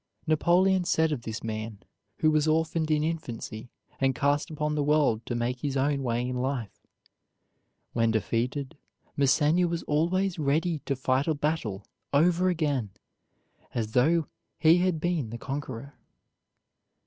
Napoleon said of this man, who was orphaned in infancy and cast upon the world to make his own way in life: "When defeated, Massena was always ready to fight a battle over again, as though he had been the conqueror."